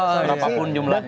berapa pun jumlahnya